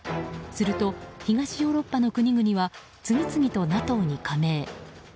すると、東ヨーロッパの国々は次々とＮＡＴＯに加盟。